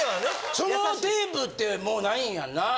そのテープってもうないんやんなぁ？